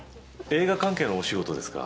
映画関係のお仕事ですか？